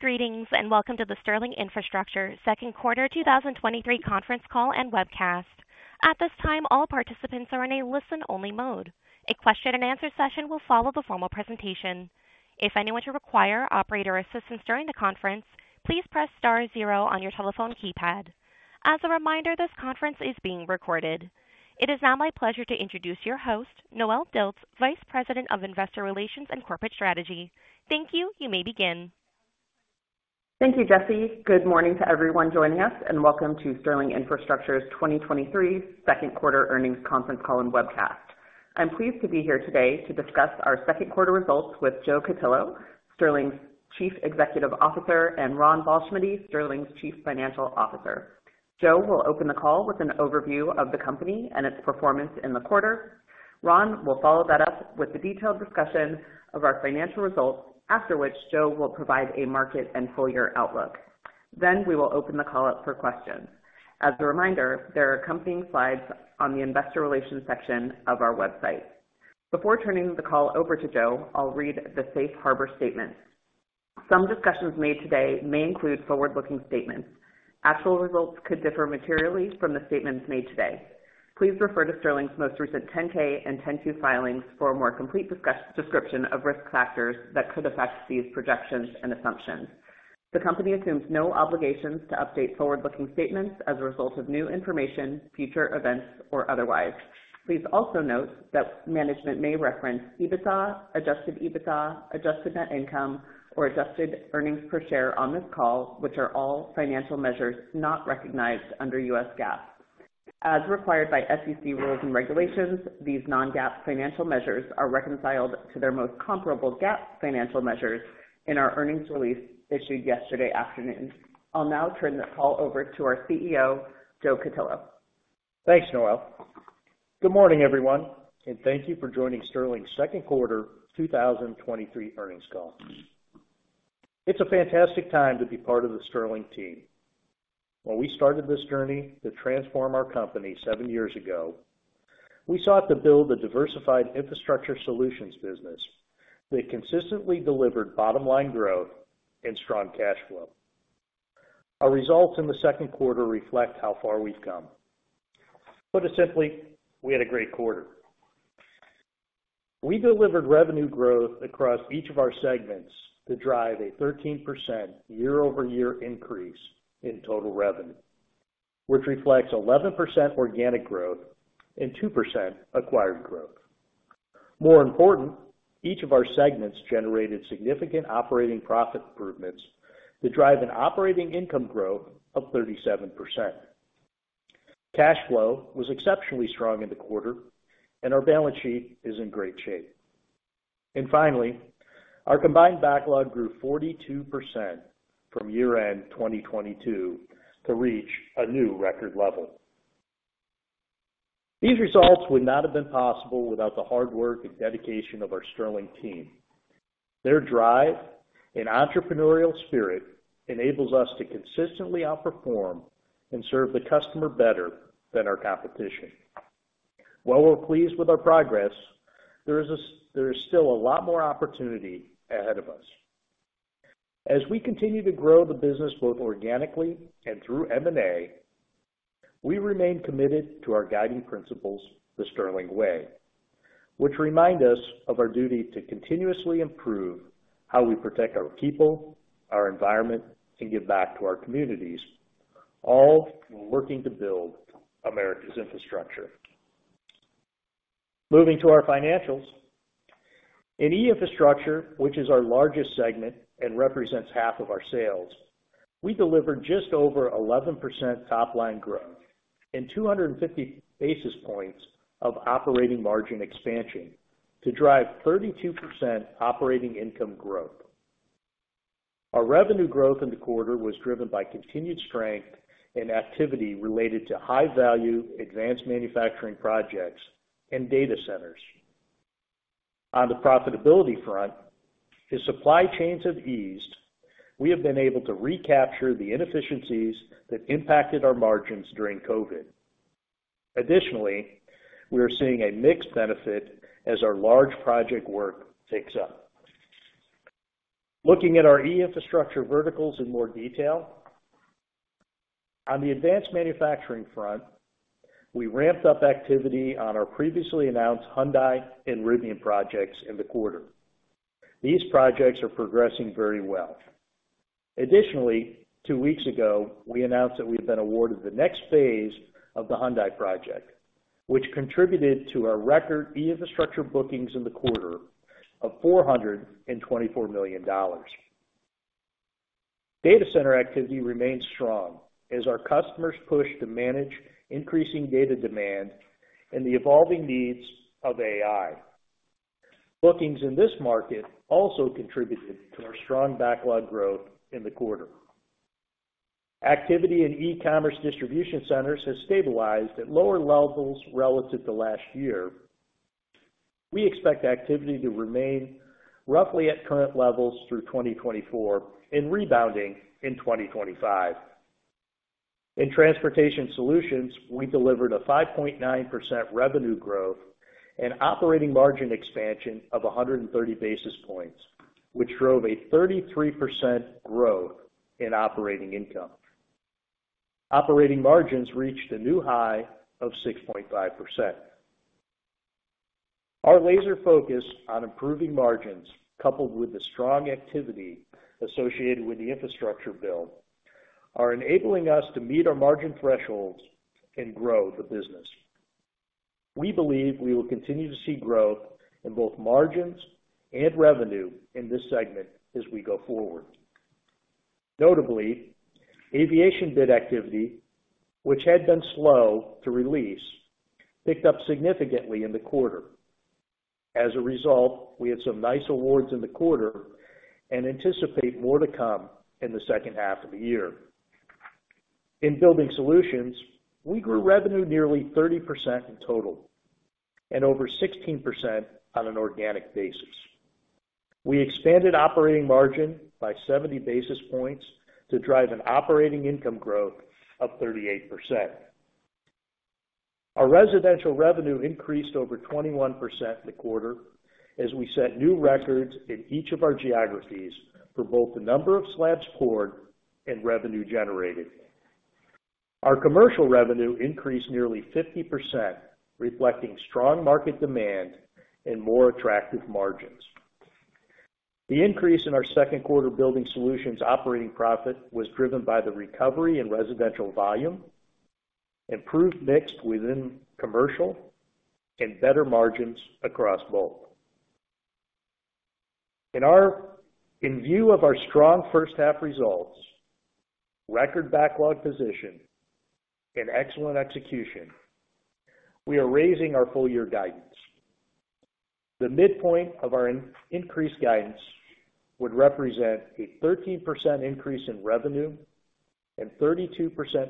Greetings, welcome to the Sterling Infrastructure second quarter 2023 conference call and webcast. At this time, all participants are in a listen-only mode. A question-and-answer session will follow the formal presentation. If anyone should require operator assistance during the conference, please press star zero on your telephone keypad. As a reminder, this conference is being recorded. It is now my pleasure to introduce your host, Noelle Dilts, Vice President of Investor Relations and Corporate Strategy. Thank you. You may begin. Thank you, Jesse. Good morning to everyone joining us, and welcome to Sterling Infrastructure's 2023 second quarter earnings conference call and webcast. I'm pleased to be here today to discuss our second quarter results with Joe Cutillo, Sterling's Chief Executive Officer, and Ron Ballschmiede, Sterling's Chief Financial Officer. Joe will open the call with an overview of the company and its performance in the quarter. Ron will follow that up with a detailed discussion of our financial results, after which Joe will provide a market and full year outlook. We will open the call up for questions. As a reminder, there are accompanying slides on the Investor Relations section of our website. Before turning the call over to Joe, I'll read the safe harbor statement. Some discussions made today may include forward-looking statements. Actual results could differ materially from the statements made today. Please refer to Sterling's most recent 10-K and 10-Q filings for a more complete description of risk factors that could affect these projections and assumptions. The company assumes no obligations to update forward-looking statements as a result of new information, future events, or otherwise. Please also note that management may reference EBITDA, adjusted EBITDA, adjusted net income, or adjusted earnings per share on this call, which are all financial measures not recognized under U.S. GAAP. As required by SEC rules and regulations, these non-GAAP financial measures are reconciled to their most comparable GAAP financial measures in our earnings release issued yesterday afternoon. I'll now turn the call over to our CEO, Joe Cutillo. Thanks, Noelle. Good morning, everyone, thank you for joining Sterling's second quarter 2023 earnings call. It's a fantastic time to be part of the Sterling team. When we started this journey to transform our company seven years ago, we sought to build a diversified infrastructure solutions business that consistently delivered bottom line growth and strong cash flow. Our results in the second quarter reflect how far we've come. Put it simply, we had a great quarter. We delivered revenue growth across each of our segments to drive a 13% year-over-year increase in total revenue, which reflects 11% organic growth and 2% acquired growth. More important, each of our segments generated significant operating profit improvements to drive an operating income growth of 37%. Cash flow was exceptionally strong in the quarter, and our balance sheet is in great shape. Finally, our combined backlog grew 42% from year-end 2022 to reach a new record level. These results would not have been possible without the hard work and dedication of our Sterling team. Their drive and entrepreneurial spirit enables us to consistently outperform and serve the customer better than our competition. While we're pleased with our progress, there is still a lot more opportunity ahead of us. As we continue to grow the business, both organically and through M&A, we remain committed to our guiding principles, The Sterling Way, which remind us of our duty to continuously improve how we protect our people, our environment, and give back to our communities, all while working to build America's infrastructure. Moving to our financials. In E-Infrastructure, which is our largest segment and represents half of our sales, we delivered just over 11% top-line growth and 250 basis points of operating margin expansion to drive 32% operating income growth. Our revenue growth in the quarter was driven by continued strength and activity related to high-value advanced manufacturing projects and data centers. On the profitability front, as supply chains have eased, we have been able to recapture the inefficiencies that impacted our margins during COVID. Additionally, we are seeing a mixed benefit as our large project work picks up. Looking at our E-Infrastructure verticals in more detail. On the advanced manufacturing front, we ramped up activity on our previously announced Hyundai and Rivian projects in the quarter. These projects are progressing very well. Additionally, two weeks ago, we announced that we've been awarded the next phase of the Hyundai project, which contributed to our record E-Infrastructure bookings in the quarter of $424 million. Data center activity remains strong as our customers push to manage increasing data demand and the evolving needs of AI. Bookings in this market also contributed to our strong backlog growth in the quarter. Activity in e-commerce distribution centers has stabilized at lower levels relative to last year. We expect activity to remain roughly at current levels through 2024 and rebounding in 2025. In Transportation Solutions, we delivered a 5.9% revenue growth and operating margin expansion of 130 basis points, which drove a 33% growth in operating income. Operating margins reached a new high of 6.5%. Our laser focus on improving margins, coupled with the strong activity associated with the infrastructure bill, are enabling us to meet our margin thresholds and grow the business. We believe we will continue to see growth in both margins and revenue in this segment as we go forward. Notably, aviation bid activity, which had been slow to release, picked up significantly in the quarter. As a result, we had some nice awards in the quarter and anticipate more to come in the second half of the year. In Building Solutions, we grew revenue nearly 30% in total and over 16% on an organic basis. We expanded operating margin by 70 basis points to drive an operating income growth of 38%. Our residential revenue increased over 21% in the quarter as we set new records in each of our geographies for both the number of slabs poured and revenue generated. Our commercial revenue increased nearly 50%, reflecting strong market demand and more attractive margins. The increase in our second quarter Building Solutions operating profit was driven by the recovery in residential volume, improved mix within commercial, and better margins across both. In view of our strong first half results, record backlog position, and excellent execution, we are raising our full-year guidance. The midpoint of our increased guidance would represent a 13% increase in revenue and 32%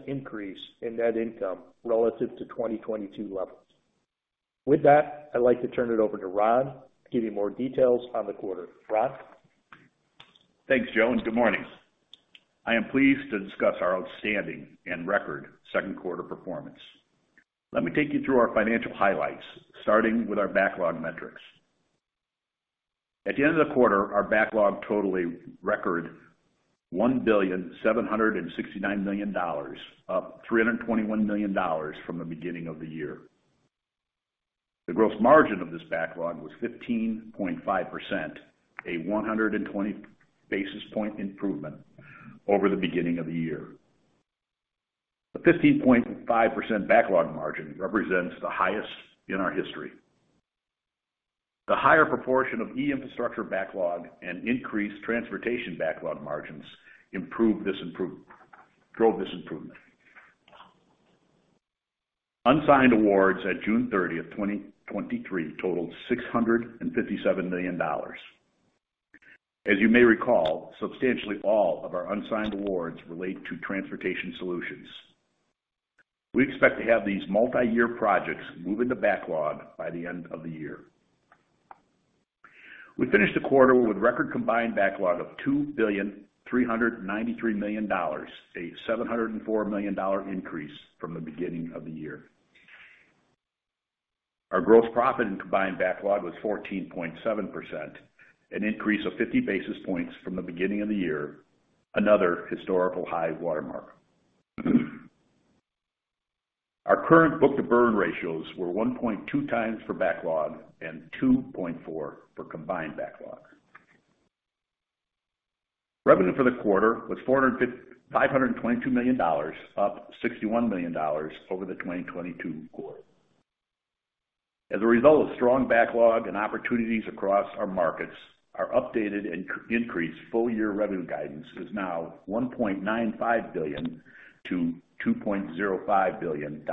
increase in net income relative to 2022 levels. With that, I'd like to turn it over to Ron to give you more details on the quarter. Ron? Thanks, Joe. Good morning. I am pleased to discuss our outstanding and record second quarter performance. Let me take you through our financial highlights, starting with our backlog metrics. At the end of the quarter, our backlog totaled a record $1.769 billion, up $321 million from the beginning of the year. The gross margin of this backlog was 15.5%, a 120 basis point improvement over the beginning of the year. The 15.5% backlog margin represents the highest in our history. The higher proportion of E-Infrastructure backlog and increased Transportation backlog margins drove this improvement. Unsigned awards at June 30th, 2023, totaled $657 million. As you may recall, substantially all of our unsigned awards relate to Transportation Solutions. We expect to have these multiyear projects move into backlog by the end of the year. We finished the quarter with record combined backlog of $2.393 billion, a $704 million increase from the beginning of the year. Our gross profit in combined backlog was 14.7%, an increase of 50 basis points from the beginning of the year, another historical high watermark. Our current book-to-burn ratios were 1.2x for backlog and 2.4 for combined backlog. Revenue for the quarter was $522 million, up $61 million over the 2022 quarter. As a result of strong backlog and opportunities across our markets, our updated and increased full-year revenue guidance is now $1.95 billion-$2.05 billion.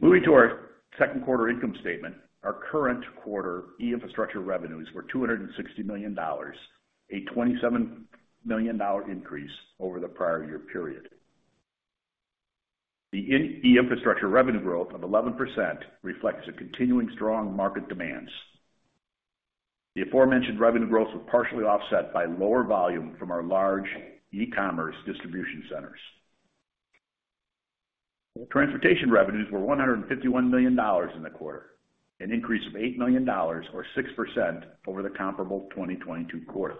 Moving to our second quarter income statement. Our current quarter E-Infrastructure revenues were $260 million, a $27 million increase over the prior year period. The E-Infrastructure revenue growth of 11% reflects a continuing strong market demands. The aforementioned revenue growth was partially offset by lower volume from our large e-commerce distribution centers. Transportation revenues were $151 million in the quarter, an increase of $8 million or 6% over the comparable 2022 quarter.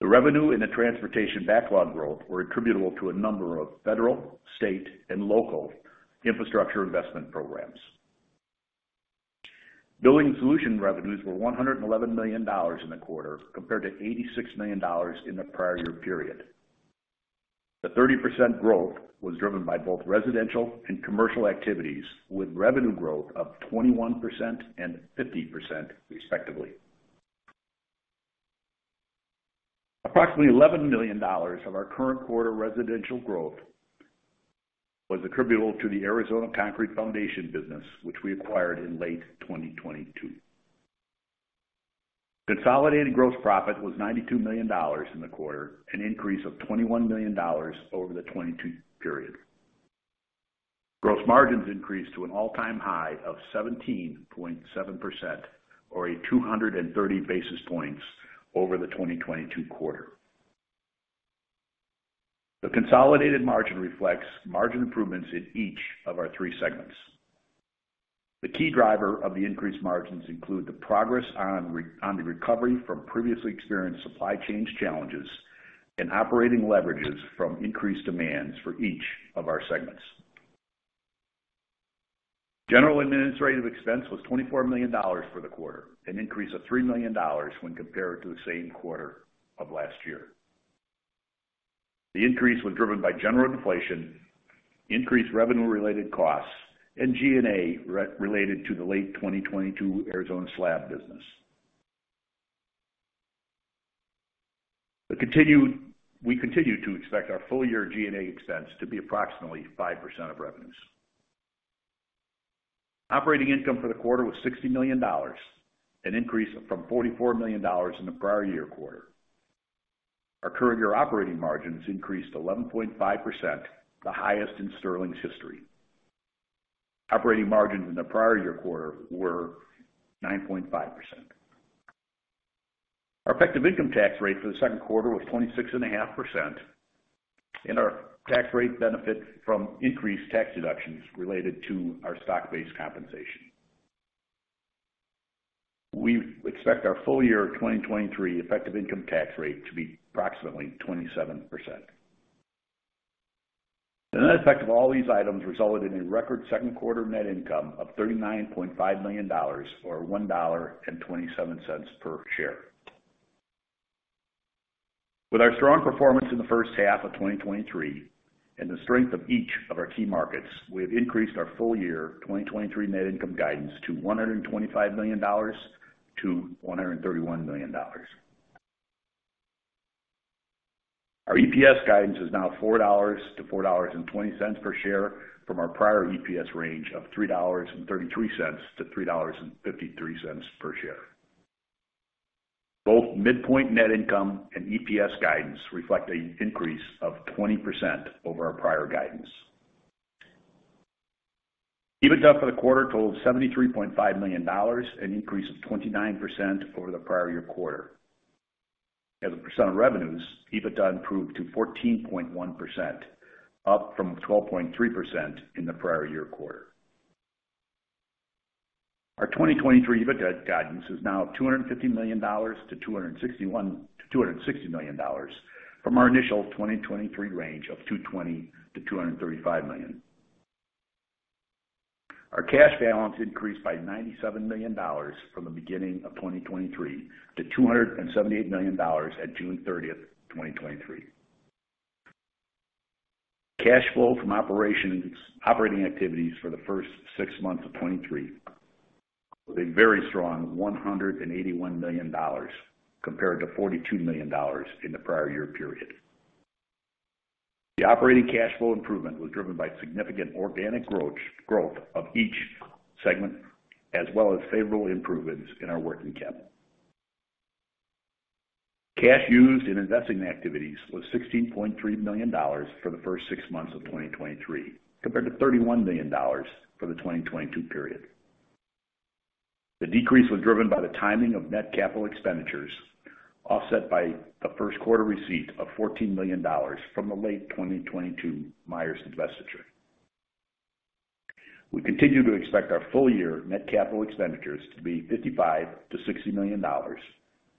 The revenue in the transportation backlog growth were attributable to a number of federal, state, and local infrastructure investment programs. Building Solutions revenues were $111 million in the quarter, compared to $86 million in the prior year period. The 30% growth was driven by both residential and commercial activities, with revenue growth of 21% and 50%, respectively. Approximately $11 million of our current quarter residential growth was attributable to the Arizona Concrete Foundation business, which we acquired in late 2022. Consolidated gross profit was $92 million in the quarter, an increase of $21 million over the 2022 period. Gross margins increased to an all-time high of 17.7%, or a 230 basis points over the 2022 quarter. The consolidated margin reflects margin improvements in each of our three segments. The key driver of the increased margins include the progress on the recovery from previously experienced supply chain challenges and operating leverages from increased demands for each of our segments. General administrative expense was $24 million for the quarter, an increase of $3 million when compared to the same quarter of last year. The increase was driven by general inflation, increased revenue-related costs, and G&A related to the late 2022 Arizona Slab business. We continue to expect our full year G&A expense to be approximately 5% of revenues. Operating income for the quarter was $60 million, an increase from $44 million in the prior year quarter. Our current year operating margins increased 11.5%, the highest in Sterling's history. Operating margins in the prior year quarter were 9.5%. Our effective income tax rate for the second quarter was 26.5%. Our tax rate benefits from increased tax deductions related to our stock-based compensation. We expect our full year 2023 effective income tax rate to be approximately 27%. The net effect of all these items resulted in a record second quarter net income of $39.5 million, or $1.27 per share. With our strong performance in the first half of 2023, and the strength of each of our key markets, we have increased our full year 2023 net income guidance to $125 million-$131 million. Our EPS guidance is now $4.00-$4.20 per share from our prior EPS range of $3.33-$3.53 per share. Both midpoint net income and EPS guidance reflect an increase of 20% over our prior guidance. EBITDA for the quarter totaled $73.5 million, an increase of 29% over the prior year quarter. As a percent of revenues, EBITDA improved to 14.1%, up from 12.3% in the prior year quarter. Our 2023 EBITDA guidance is now $250 million-$260 million from our initial 2023 range of $220 million-$235 million. Our cash balance increased by $97 million from the beginning of 2023 to $278 million at June 30th, 2023. Cash flow from operating activities for the first six months of 2023 was a very strong $181 million, compared to $42 million in the prior year period. The operating cash flow improvement was driven by significant organic growth, growth of each segment, as well as favorable improvements in our working capital. Cash used in investing activities was $16.3 million for the first six months of 2023, compared to $31 million for the 2022 period. The decrease was driven by the timing of net capital expenditures, offset by the first quarter receipt of $14 million from the late 2022 Myers divestiture. We continue to expect our full year net capital expenditures to be $55 million-$60 million,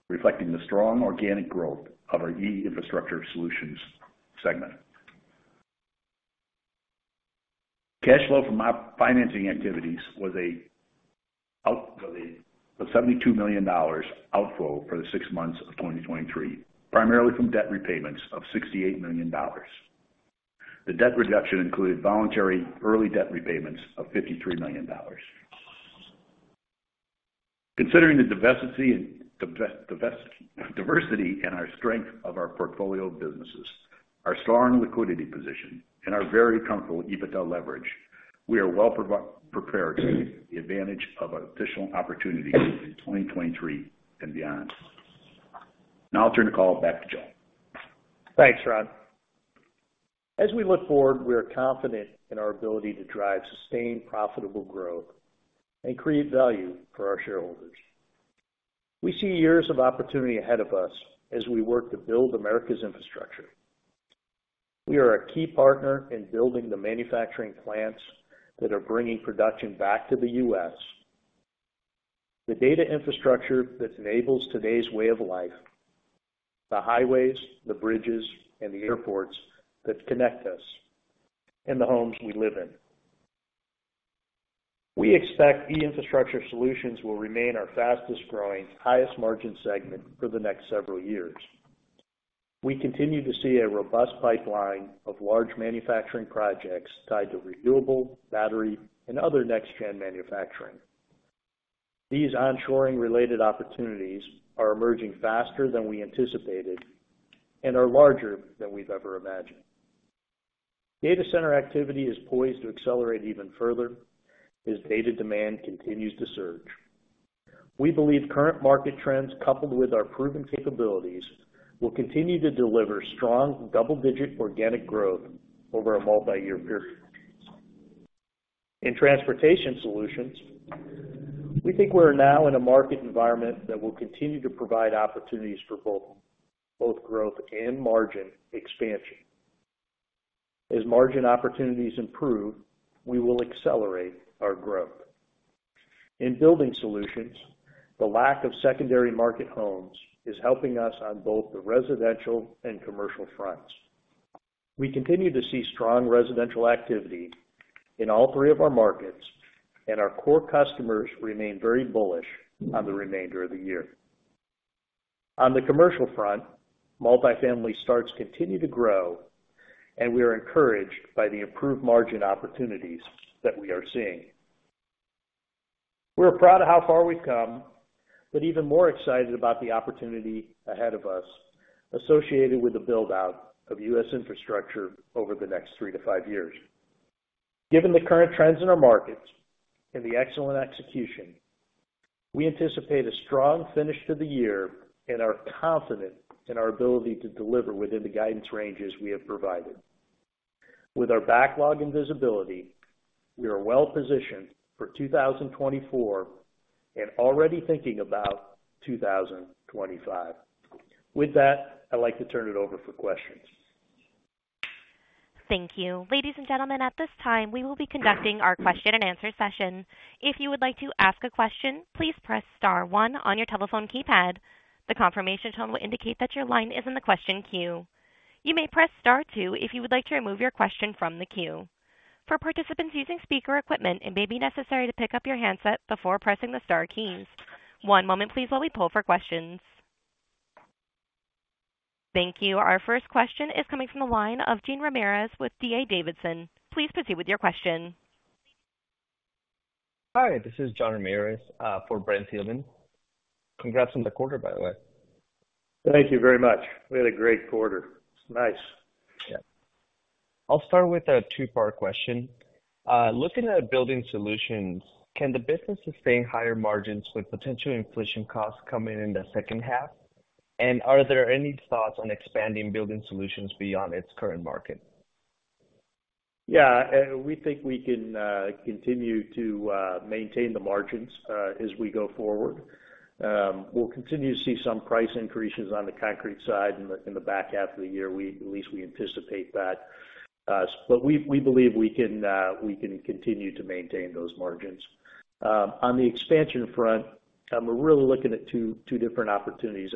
reflecting the strong organic growth of our E-Infrastructure solutions segment. Cash flow from our financing activities was a $72 million outflow for the 6 months of 2023, primarily from debt repayments of $68 million. The debt reduction included voluntary early debt repayments of $53 million. Considering the diversity and diversity, diversity in our strength of our portfolio of businesses, our strong liquidity position, and our very comfortable EBITDA leverage, we are well prepared to take advantage of additional opportunities in 2023 and beyond. Now I'll turn the call back to Joe. Thanks, Ron. As we look forward, we are confident in our ability to drive sustained, profitable growth and create value for our shareholders. We see years of opportunity ahead of us as we work to build America's infrastructure. We are a key partner in building the manufacturing plants that are bringing production back to the U.S. The data infrastructure that enables today's way of life, the highways, the bridges, and the airports that connect us, and the homes we live in. We expect E-Infrastructure solutions will remain our fastest growing, highest margin segment for the next several years. We continue to see a robust pipeline of large manufacturing projects tied to renewable, battery, and other next-gen manufacturing. These onshoring related opportunities are emerging faster than we anticipated and are larger than we've ever imagined. Data center activity is poised to accelerate even further, as data demand continues to surge. We believe current market trends, coupled with our proven capabilities, will continue to deliver strong double-digit organic growth over a multi-year period. In Transportation Solutions, we think we're now in a market environment that will continue to provide opportunities for both growth and margin expansion. As margin opportunities improve, we will accelerate our growth. In Building Solutions, the lack of secondary market homes is helping us on both the residential and commercial fronts. We continue to see strong residential activity in all three of our markets, and our core customers remain very bullish on the remainder of the year. On the commercial front, multifamily starts continue to grow, and we are encouraged by the improved margin opportunities that we are seeing. We're proud of how far we've come, but even more excited about the opportunity ahead of us associated with the build-out of U.S. infrastructure over the next 3-5 years. Given the current trends in our markets and the excellent execution, we anticipate a strong finish to the year and are confident in our ability to deliver within the guidance ranges we have provided. With our backlog and visibility, we are well positioned for 2024 and already thinking about 2025. With that, I'd like to turn it over for questions. Thank you. Ladies and gentlemen, at this time, we will be conducting our question-and-answer session. If you would like to ask a question, please press star one on your telephone keypad. The confirmation tone will indicate that your line is in the question queue. You may press star two if you would like to remove your question from the queue. For participants using speaker equipment, it may be necessary to pick up your handset before pressing the star keys. One moment, please, while we poll for questions. Thank you. Our first question is coming from the line of Jean Ramirez with D.A. Davidson. Please proceed with your question. Hi, this is Jean Ramirez, for Brent Thielman. Congrats on the quarter, by the way. Thank you very much. We had a great quarter. It's nice. Yeah. I'll start with a two-part question. Looking at Building Solutions, can the business sustain higher margins with potential inflation costs coming in the second half? Are there any thoughts on expanding Building Solutions beyond its current market? Yeah, we think we can continue to maintain the margins as we go forward. We'll continue to see some price increases on the concrete side in the back half of the year. At least we anticipate that. We, we believe we can we can continue to maintain those margins. On the expansion front, we're really looking at two, two different opportunities.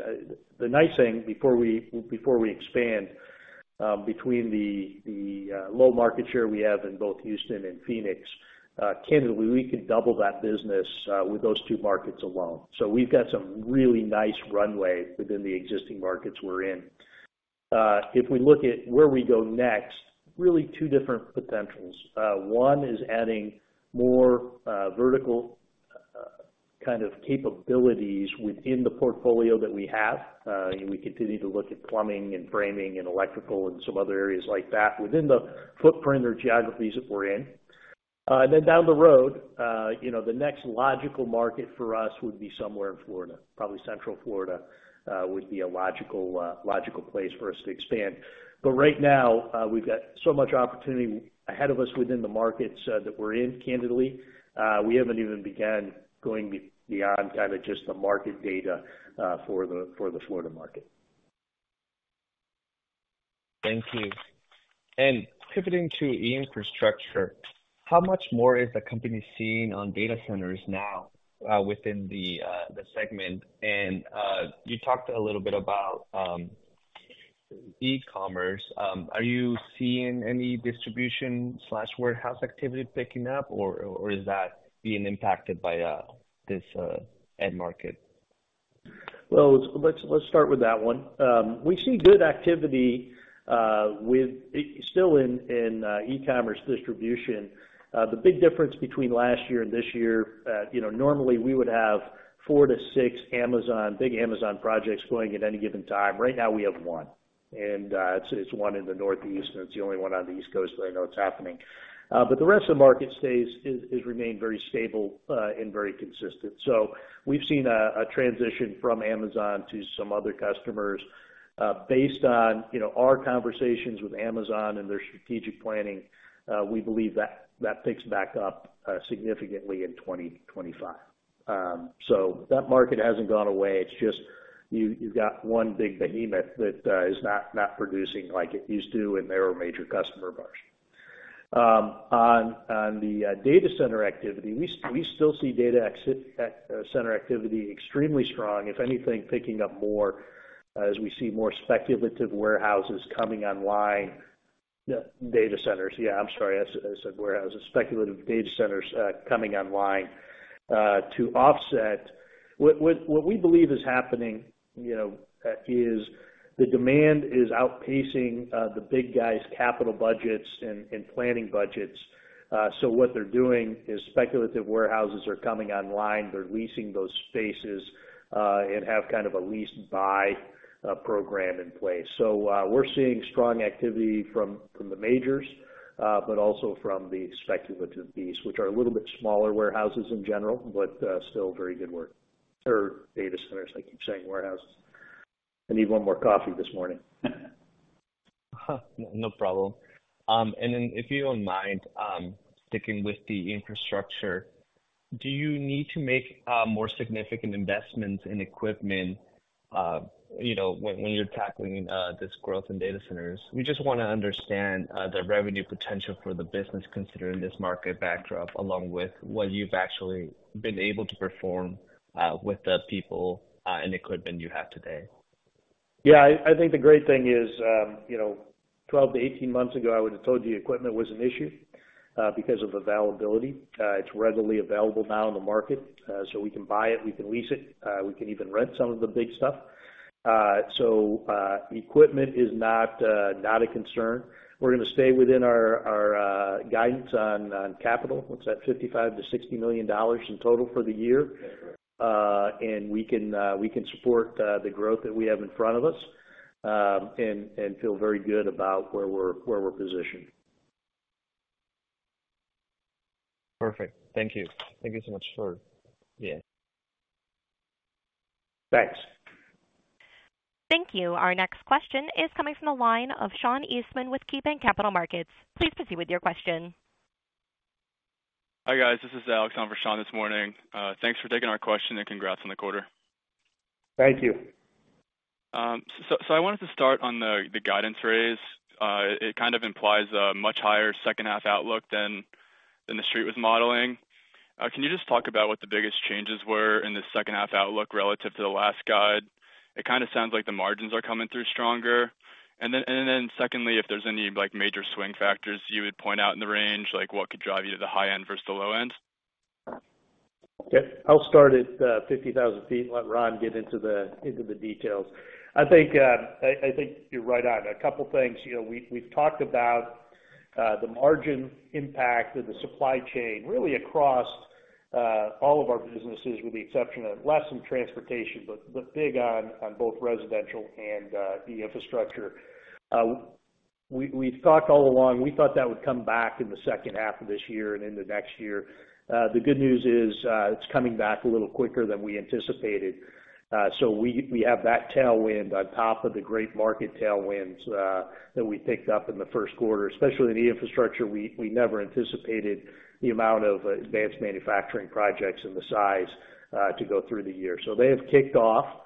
The nice thing before we, before we expand, between the, the low market share we have in both Houston and Phoenix, candidly, we could double that business with those two markets alone. We've got some really nice runway within the existing markets we're in. If we look at where we go next, really two different potentials. One is adding more vertical kind of capabilities within the portfolio that we have. We continue to look at plumbing and framing and electrical and some other areas like that within the footprint or geographies that we're in. Then down the road, you know, the next logical market for us would be somewhere in Florida. Probably Central Florida would be a logical logical place for us to expand. Right now, we've got so much opportunity ahead of us within the markets that we're in, candidly, we haven't even begun going beyond kind of just the market data for the Florida market. Thank you. Pivoting to E-Infrastructure, how much more is the company seeing on data centers now within the segment? You talked a little bit about e-commerce. Are you seeing any distribution/warehouse activity picking up, or is that being impacted by this end market? Well, let's, let's start with that one. We see good activity still in e-commerce distribution. The big difference between last year and this year, you know, normally we would have four to six Amazon, big Amazon projects going at any given time. Right now we have one, and it's one in the Northeast, and it's the only one on the East Coast, but I know it's happening. The rest of the market has remained very stable and very consistent. We've seen a transition from Amazon to some other customers. Based on, you know, our conversations with Amazon and their strategic planning, we believe that picks back up significantly in 2025. That market hasn't gone away. It's just, you, you've got one big behemoth that is not, not producing like it used to, and they're a major customer of ours. On the data center activity, we still see data center center activity extremely strong, if anything, picking up more as we see more speculative warehouses coming online. Data centers, yeah, I'm sorry, I said warehouses. Speculative data centers coming online to offset what we believe is happening, you know, is the demand is outpacing the big guys' capital budgets and planning budgets. What they're doing is speculative warehouses are coming online. They're leasing those spaces and have kind of a lease-to-buy program in place. We're seeing strong activity from, from the majors, but also from the speculative piece, which are a little bit smaller warehouses in general, but still very good work, or data centers. I keep saying warehouses. I need one more coffee this morning. No problem. If you don't mind, sticking with the infrastructure, do you need to make more significant investments in equipment, you know, when you're tackling this growth in data centers? We just wanna understand the revenue potential for the business, considering this market backdrop, along with what you've actually been able to perform with the people and equipment you have today. Yeah, I, I think the great thing is, you know, 12 to 18 months ago, I would have told you equipment was an issue because of availability. It's readily available now in the market, so we can buy it, we can lease it, we can even rent some of the big stuff. Equipment is not a concern. We're gonna stay within our, our guidance on, on capital. What's that? $55 million-$60 million in total for the year. We can support the growth that we have in front of us, and feel very good about where we're, where we're positioned. Perfect. Thank you. Thank you so much for -- yeah. Thanks. Thank you. Our next question is coming from the line of Sean Eastman with KeyBanc Capital Markets. Please proceed with your question. Hi, guys. This is Alex on for Sean this morning. Thanks for taking our question, and congrats on the quarter. Thank you. So, so I wanted to start on the, the guidance raise. It kind of implies a much higher second half outlook than, than the street was modeling. Can you just talk about what the biggest changes were in the second half outlook relative to the last guide? It kind of sounds like the margins are coming through stronger. Then, and then secondly, if there's any, like, major swing factors you would point out in the range, like what could drive you to the high end versus the low end? Okay. I'll start at 50,000 ft and let Ron get into the, into the details. I think I, I think you're right on. A couple things, you know, we've, we've talked about the margin impact of the supply chain, really across all of our businesses, with the exception of less in Transportation, but, but big on, on both Residential and the Infrastructure. We, we've talked all along, we thought that would come back in the second half of this year and into next year. The good news is, it's coming back a little quicker than we anticipated. We, we have that tailwind on top of the great market tailwinds that we picked up in the first quarter, especially in the Infrastructure. We, we never anticipated the amount of advanced manufacturing projects and the size to go through the year. They have kicked off.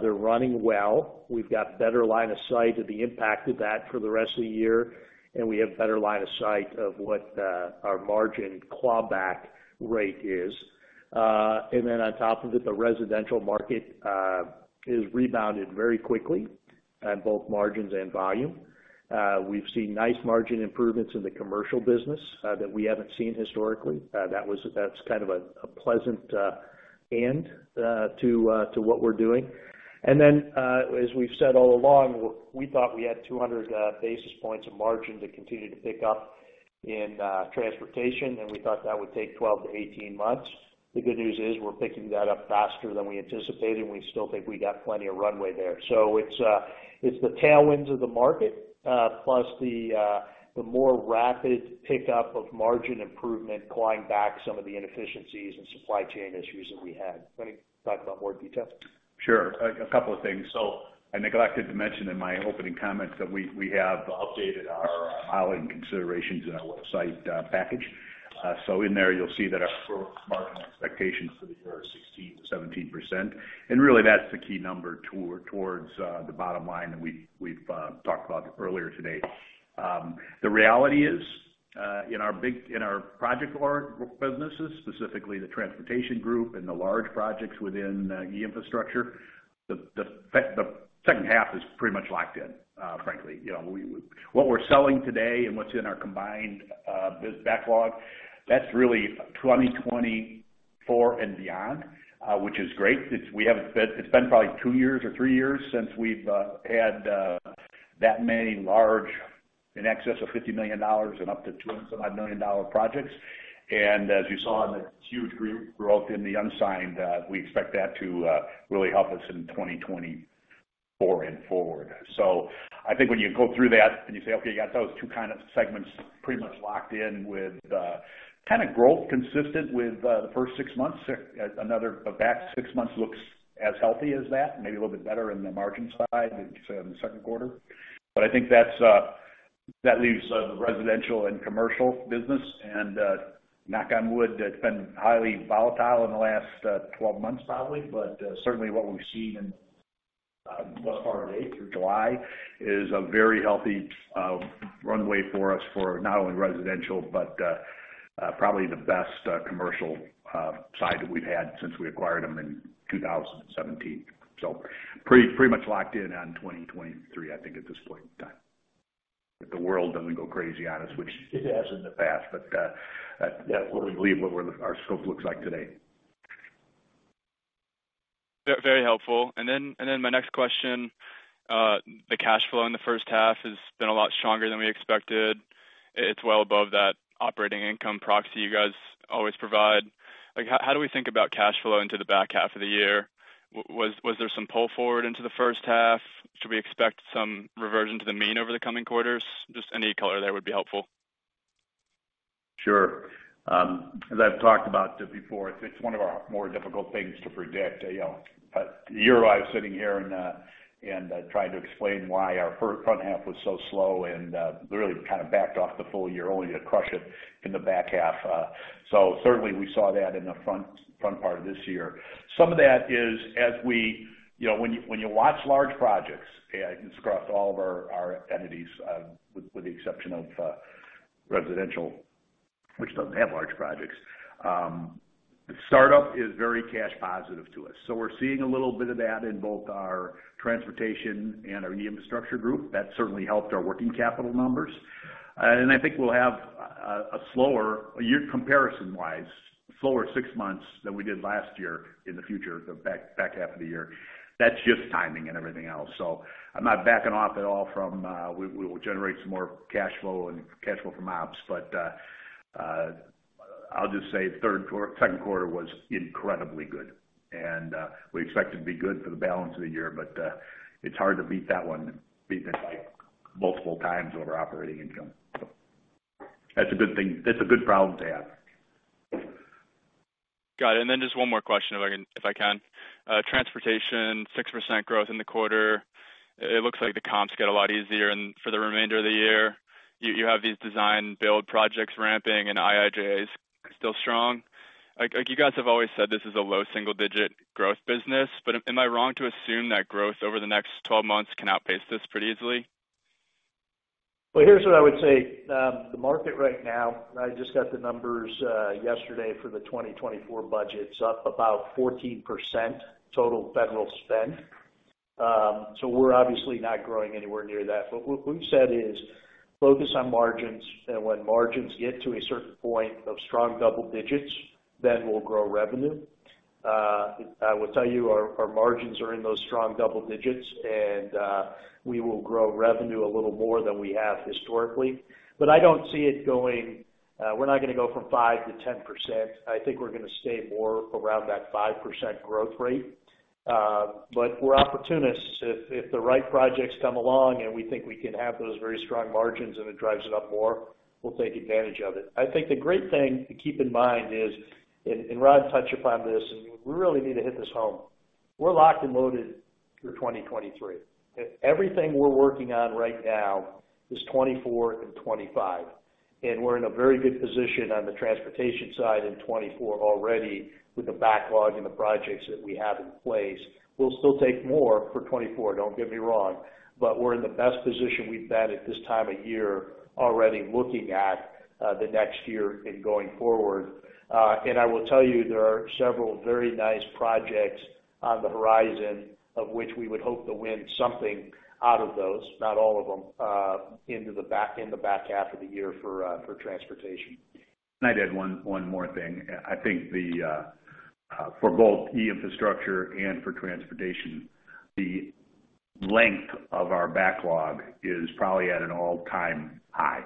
They're running well. We've got better line of sight of the impact of that for the rest of the year, and we have better line of sight of what our margin clawback rate is. On top of it, the residential market has rebounded very quickly on both margins and volume. We've seen nice margin improvements in the commercial business that we haven't seen historically. That was, that's kind of a pleasant end to what we're doing. As we've said all along, we thought we had 200 basis points of margin to continue to pick up in Transportation, and we thought that would take 12-18 months. The good news is, we're picking that up faster than we anticipated, and we still think we got plenty of runway there. It's the tailwinds of the market, plus the more rapid pickup of margin improvement, clawing back some of the inefficiencies and supply chain issues that we had. Want to talk about more detail? Sure. A couple of things. I neglected to mention in my opening comments that we have updated our filing considerations in our website package. In there, you'll see that our margin expectations for the year are 16%-17%, and really, that's the key number to-towards the bottom line that we've, we've talked about earlier today. The reality is, in our big- in our project or businesses, specifically the transportation group and the large projects within the E-Infrastructure, the, the, the second half is pretty much locked in, frankly. You know, we, what we're selling today and what's in our combined biz backlog, that's really 2024 and beyond, which is great. It's, we haven't, it's been probably two years or three years since we've had that many large, in excess of $50 million and up to $205 million projects. As you saw in the huge growth in the unsigned, we expect that to really help us in 2024 and forward. I think when you go through that and you say, okay, you got those two kind of segments pretty much locked in with kind of growth consistent with the first six months, the back six months looks as healthy as that, maybe a little bit better in the margin side than in the second quarter. I think that's that leaves the residential and commercial business, and knock on wood, it's been highly volatile in the last 12 months, probably. Certainly what we've seen in, thus far to date through July, is a very healthy runway for us for not only residential, but, probably the best commercial side that we've had since we acquired them in 2017. Pretty, pretty much locked in on 2023, I think at this point in time. If the world doesn't go crazy on us, which it has in the past, but, that, that would leave what our scope looks like today. Very helpful. Then, and then my next question, the cash flow in the first half has been a lot stronger than we expected. It, it's well above that operating income proxy you guys always provide. Like, how, how do we think about cash flow into the back half of the year? Was there some pull forward into the first half? Should we expect some reversion to the mean over the coming quarters? Just any color there would be helpful. Sure. as I've talked about it before, it's one of our more difficult things to predict. You know, a year I was sitting here and and trying to explain why our first front half was so slow, and really kind of backed off the full year, only to crush it in the back half. Certainly we saw that in the front, front part of this year. Some of that is as we-- you know, when you, when you watch large projects, and it's across all of our, our entities, with, with the exception of residential, which doesn't have large projects. Startup is very cash positive to us, so we're seeing a little bit of that in both our transportation and our E-Infrastructure group. That certainly helped our working capital numbers. I think we'll have a, a slower year comparison-wise, slower six months than we did last year in the future, the back half of the year. That's just timing and everything else. I'm not backing off at all from, we, we will generate some more cash flow and cash flow from ops. I'll just say third quar-- second quarter was incredibly good, and we expect it to be good for the balance of the year, but it's hard to beat that one, beat that by multiple times over operating income. That's a good thing. That's a good problem to have. Got it. Just one more question, if I can, if I can. Transportation, 6% growth in the quarter. It looks like the comps get a lot easier. For the remainder of the year, you have these design-build projects ramping. IIJA is still strong. Like you guys have always said, this is a low single-digit growth business. Am I wrong to assume that growth over the next 12 months can outpace this pretty easily? Well, here's what I would say. The market right now, I just got the numbers yesterday for the 2024 budget. It's up about 14% total federal spend. We're obviously not growing anywhere near that. What, what we've said is focus on margins, and when margins get to a certain point of strong double digits, then we'll grow revenue. I will tell you, our, our margins are in those strong double digits, and we will grow revenue a little more than we have historically. I don't see it going... we're not gonna go from 5%-10%. I think we're gonna stay more around that 5% growth rate. We're opportunists. If, if the right projects come along, and we think we can have those very strong margins, and it drives it up more, we'll take advantage of it. I think the great thing to keep in mind is, and, and Ron touched upon this, and we really need to hit this home. We're locked and loaded through 2023. Everything we're working on right now is 2024 and 2025, and we're in a very good position on the transportation side in 2024 already, with the backlog and the projects that we have in place. We'll still take more for 2024, don't get me wrong, but we're in the best position we've been at this time of year, already looking at the next year and going forward. I will tell you, there are several very nice projects on the horizon of which we would hope to win something out of those, not all of them, in the back half of the year for, for transportation. Can I add one, one more thing? I think the for both E-Infrastructure and for transportation, the length of our backlog is probably at an all-time high.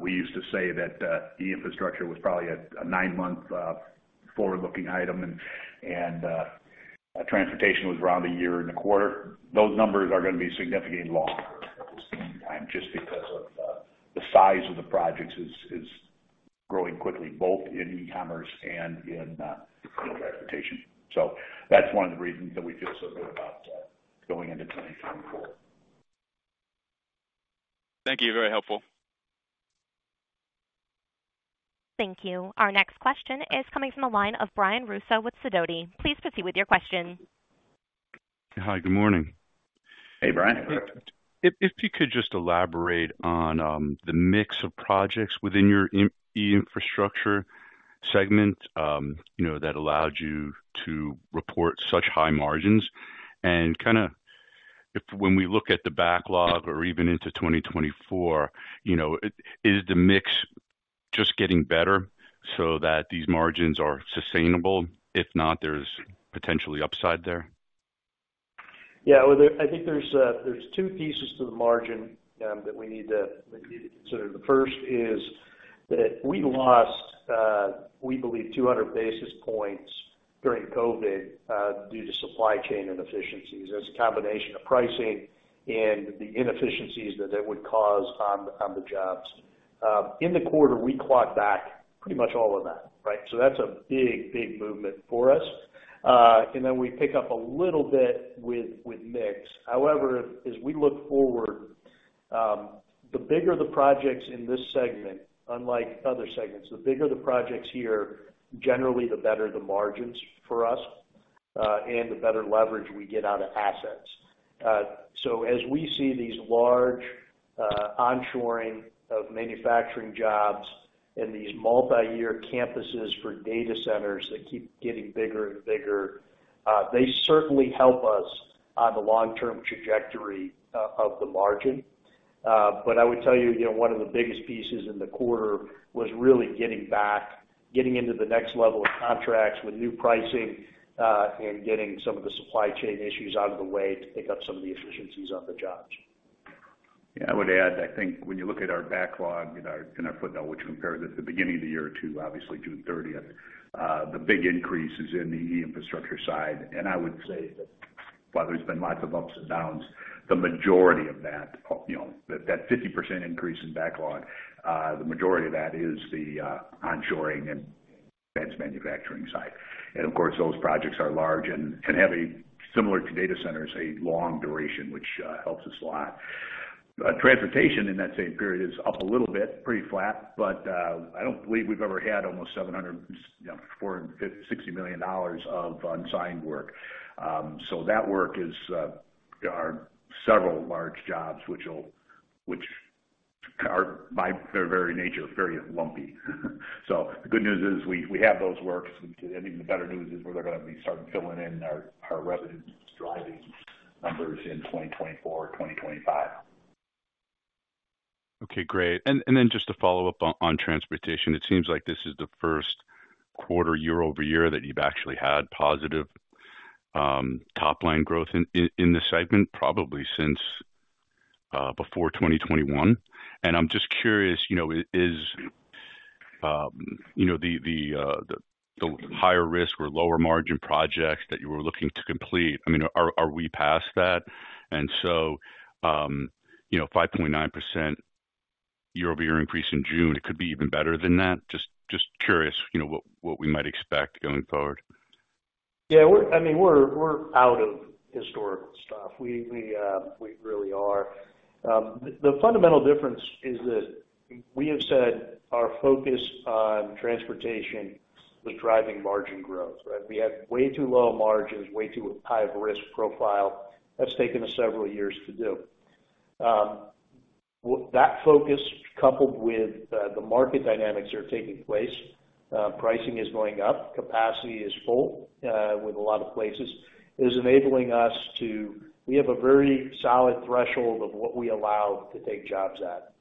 We used to say that E-Infrastructure was probably a nine-month, forward-looking item, and, and, transportation was around a year and a quarter. Those numbers are gonna be significantly longer at this point in time, just because of the size of the projects is, is growing quickly, both in e-commerce and in transportation. That's one of the reasons that we feel so good about going into 2024. Thank you. Very helpful. Thank you. Our next question is coming from the line of Brian Russo with Sidoti. Please proceed with your question. Hi, good morning. Hey, Brian. If, if you could just elaborate on the mix of projects within your E-Infrastructure segment, you know, that allowed you to report such high margins. And kind of if when we look at the backlog or even into 2024, you know, is the mix just getting better so that these margins are sustainable? If not, there's potentially upside there. Yeah, well, there, I think there's two pieces to the margin that we need to, we need to consider. The first is that we lost, we believe, 200 basis points during COVID due to supply chain inefficiencies. That's a combination of pricing and the inefficiencies that it would cause on the, on the jobs. In the quarter, we clocked back pretty much all of that, right? That's a big, big movement for us. Then we pick up a little bit with, with mix. However, as we look forward, the bigger the projects in this segment, unlike other segments, the bigger the projects here, generally, the better the margins for us, the better leverage we get out of assets. As we see these large onshoring of manufacturing jobs and these multiyear campuses for data centers that keep getting bigger and bigger, they certainly help us on the long-term trajectory of the margin. I would tell you, you know, one of the biggest pieces in the quarter was really getting back, getting into the next level of contracts with new pricing, and getting some of the supply chain issues out of the way to pick up some of the efficiencies on the jobs. Yeah, I would add, I think when you look at our backlog and our, and our footnote, which compares at the beginning of the year to obviously June 30th, the big increase is in the E-Infrastructure side. I would say that while there's been lots of ups and downs, the majority of that, you know, that, that 50% increase in backlog, the majority of that is the onshoring and advanced manufacturing side. Of course, those projects are large and have a similar to data centers, a long duration, which helps us a lot. Transportation in that same period is up a little bit, pretty flat, but I don't believe we've ever had almost $700, you know, $450-- $60 million of unsigned work. That work is, are several large jobs which will, which are, by their very nature, very lumpy. The good news is we, we have those works, and even the better news is where they're gonna be starting filling in our, our revenue driving numbers in 2024, 2025. Okay, great. Then just to follow up on Transportation, it seems like this is the first quarter year-over-year that you've actually had positive top-line growth in this segment, probably since before 2021. I'm just curious, you know, is, you know, the, the, the, the higher risk or lower margin projects that you were looking to complete, I mean, are, are we past that? So, you know, 5.9% year-over-year increase in June, it could be even better than that? Just, just curious, you know, what, what we might expect going forward. Yeah, I mean, we're out of historical stuff. We really are. The fundamental difference is that we have said our focus on transportation was driving margin growth, right? We had way too low margins, way too high of a risk profile. That's taken us several years to do. That focus, coupled with the market dynamics that are taking place, pricing is going up, capacity is full, with a lot of places, is enabling us to... We have a very solid threshold of what we allow to take jobs at.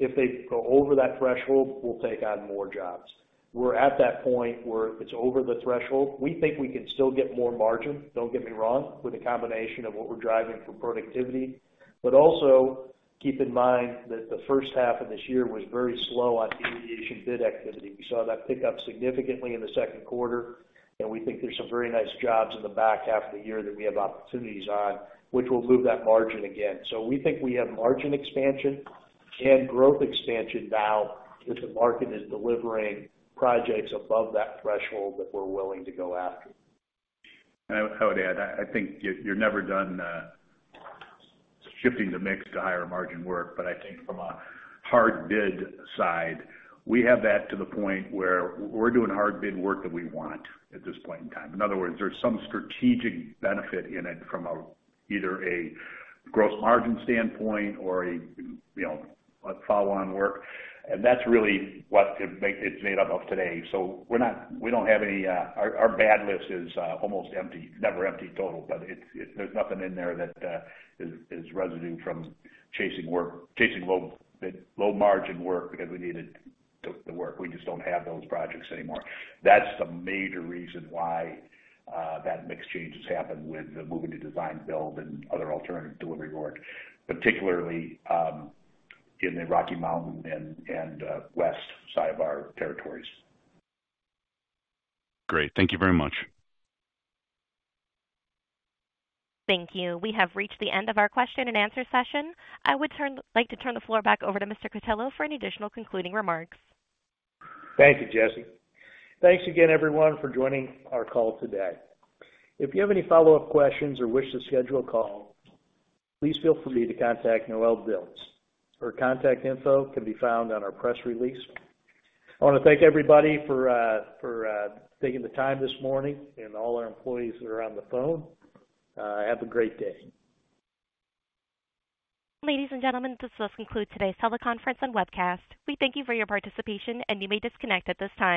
If they go over that threshold, we'll take on more jobs. We're at that point where it's over the threshold. We think we can still get more margin, don't get me wrong, with a combination of what we're driving for productivity. Also, keep in mind that the first half of this year was very slow on aviation bid activity. We saw that pick up significantly in the second quarter, and we think there's some very nice jobs in the back half of the year that we have opportunities on, which will move that margin again. We think we have margin expansion and growth expansion now, if the market is delivering projects above that threshold that we're willing to go after. I would, I would add, I, I think you're, you're never done shifting the mix to higher margin work, but I think from a hard bid side, we have that to the point where we're doing hard bid work that we want at this point in time. In other words, there's some strategic benefit in it from a, either a gross margin standpoint or a, you know, a follow-on work. That's really what it make-- it's made up of today. We're not-- we don't have any. Our bad list is almost empty, never empty total, but it's there's nothing in there that is residue from chasing work, chasing low bid, low margin work because we needed the, the work. We just don't have those projects anymore. That's the major reason why, that mix change has happened with the moving to design-build and other alternative delivery work, particularly, in the Rocky Mountain and west side of our territories. Great. Thank you very much. Thank you. We have reached the end of our question and answer session. I would turn, like to turn the floor back over to Mr. Cutillo for any additional concluding remarks. Thank you, Jesse. Thanks again, everyone, for joining our call today. If you have any follow-up questions or wish to schedule a call, please feel free to contact Noelle Dilts. Her contact info can be found on our press release. I want to thank everybody for, for taking the time this morning and all our employees that are on the phone. Have a great day. Ladies and gentlemen, this does conclude today's teleconference and webcast. We thank you for your participation. You may disconnect at this time.